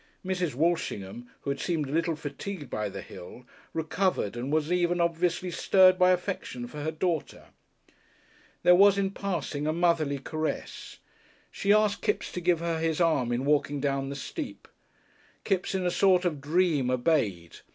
Mrs. Walshingham, who had seemed a little fatigued by the hill, recovered, and was even obviously stirred by affection for her daughter. There was, in passing, a motherly caress. She asked Kipps to give her his arm in walking down the steep. Kipps in a sort of dream obeyed.